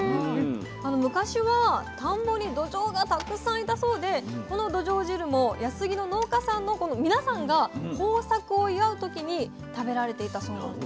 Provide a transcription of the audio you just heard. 昔は田んぼにどじょうがたくさんいたそうでこのどじょう汁も安来の農家さんの皆さんが豊作を祝う時に食べられていたそうなんですね。